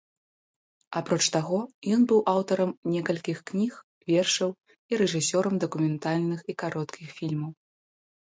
Апроч таго, ён быў аўтарам некалькіх кніг вершаў і рэжысёрам дакументальных і кароткіх фільмаў.